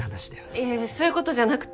いやいやそういうことじゃなくて。